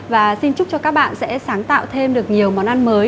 và xin chúc cho các bạn sẽ sáng tạo thêm được nhiều món ăn mới